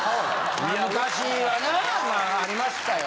昔はなまあありましたよ。